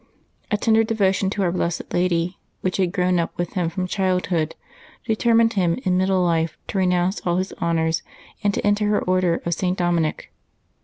A tender devotion to our blessed Lady, which had grown up with him from childhood, determined him in middle life to renounce all his honors and to enter her Order of St. Dom inic.